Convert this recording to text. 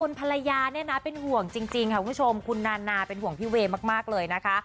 คนภรรยาเป็นห่วงจริงคุณคุณชมคุณนาเป็นห่วงพี่เวมากเลยนะคะ